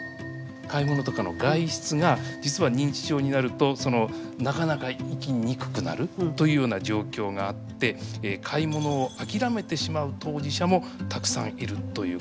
買い物とかの外出が実は認知症になるとなかなか行きにくくなるというような状況があって買い物を諦めてしまう当事者もたくさんいるということなんですね。